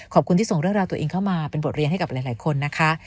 ขอบคุณที่ส่งเรื่องราวตัวเองเข้ามาเป็นบทเรียนให้กับหลายคนนะคะ